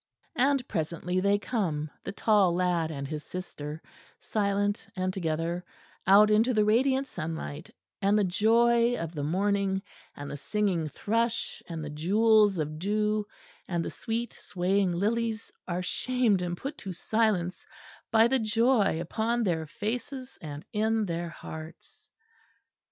And presently they come, the tall lad and his sister, silent and together, out into the radiant sunlight; and the joy of the morning and the singing thrush and the jewels of dew and the sweet swaying lilies are shamed and put to silence by the joy upon their faces and in their hearts.